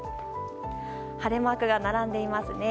晴れマークが並んでいますね。